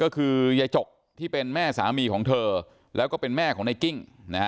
ก็คือยายจกที่เป็นแม่สามีของเธอแล้วก็เป็นแม่ของในกิ้ง